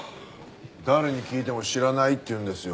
誰に聞いても知らないって言うんですよ。